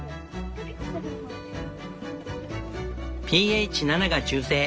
ｐＨ７が中性。